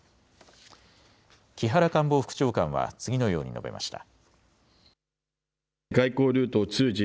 木原官房副長官は次のように述べました。